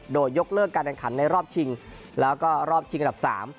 โดยยกเลิกการแข่งขันในรอบชิงแล้วก็รอบชิงอันดับ๓